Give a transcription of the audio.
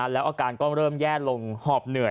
แล้วอาการก็เริ่มแย่ลงหอบเหนื่อย